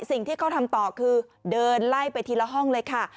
สิ่งที่เขาทำต่อคือเดินไล่ไปทีละห้องเลยค่ะ